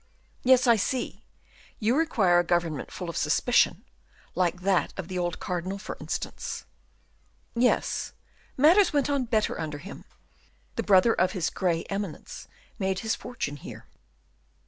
"Yes, I see; you require a government full of suspicion like that of the old cardinal, for instance." "Yes; matters went on better under him. The brother of his 'gray eminence' made his fortune here."